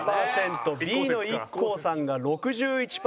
ＢのＩＫＫＯさんが６１パーセント。